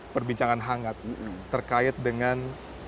perbincangan hangat terkait dengan